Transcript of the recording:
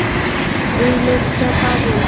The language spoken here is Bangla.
এই লোকটা পাগল।